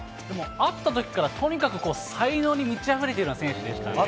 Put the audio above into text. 会ったときから、とにかく才能に満ちあふれているような選手でしたね。